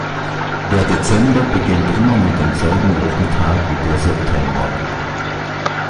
Der Dezember beginnt immer mit demselben Wochentag wie der September.